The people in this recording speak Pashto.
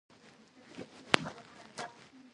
د خپل ملکیت او حریم ساتنه فرض ده.